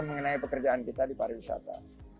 mengenai pekerjaan kita di pariwisata